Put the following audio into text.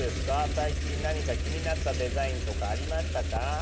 最近何か気になったデザインとかありましたか？